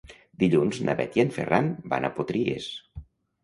Dilluns na Bet i en Ferran van a Potries.